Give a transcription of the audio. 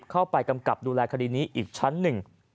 กำกับดูแลคดีนี้อีกชั้นหนึ่ง